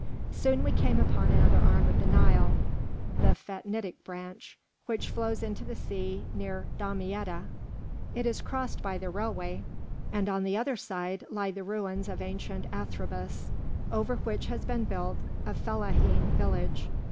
Soon we came upon another arm of the Nile, the Phatnitic branch, which flows into the sea near Damietta. It is crossed by the railway, and on the other side lie the ruins of ancient Athrebys, over which has been built a fellahin village.